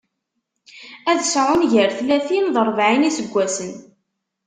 Ad sɛun gar tlatin d rebεin n yiseggasen.